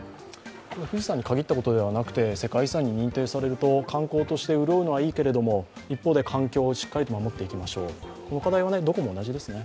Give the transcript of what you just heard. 富士山に限ったことではなくて世界遺産に認定されると観光として潤うのはいいけれど、一方で、環境をしっかり守っていくこの課題はどこも同じですね。